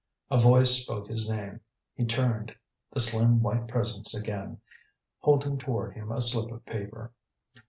A voice spoke his name. He turned. The slim white presence again, holding toward him a slip of paper.